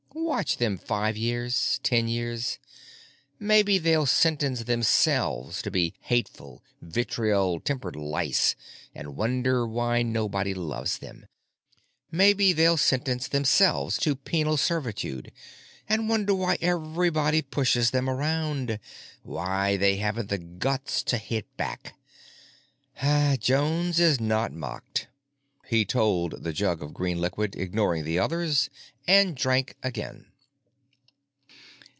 Watch them five years, ten years. Maybe they'll sentence themselves to be hateful, vitriol tempered lice and wonder why nobody loves them. Maybe they'll sentence themselves to penal servitude and wonder why everybody pushes them around, why they haven't the guts to hit back—Jones is not mocked," he told the jug of green liquid, ignoring the others, and drank again.